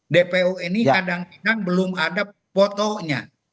dpo ini kadang kadang belum ada fotonya